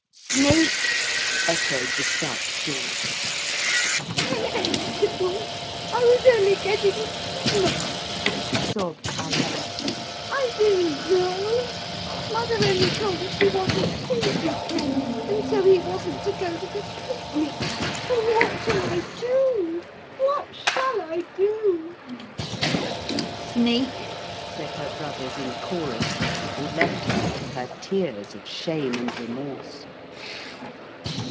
'Sneak,' echoed the stout George. 'I meant to. I was only getting steam up,' sobbed Alison. 'I didn't know. Mother only told us she wasn't pleased with Ken, and so he wasn't to go to the picnic. Oh! what shall I do? What shall I do?' 'Sneak!' said her brothers in chorus, and left her to her tears of shame and remorse.